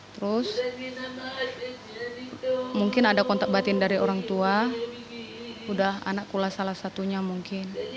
terus mungkin ada kontak batin dari orang tua udah anakkulas salah satunya mungkin